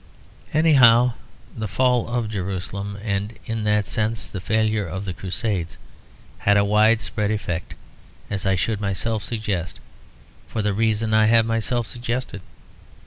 Anyhow the fall of Jerusalem, and in that sense the failure of the Crusades, had a widespread effect, as I should myself suggest, for the reason I have myself suggested.